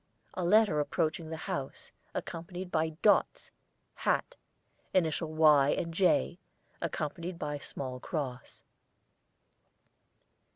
A letter approaching the house, accompanied by Dots, Hat, Initials 'Y' and 'J' (accompanied by small cross).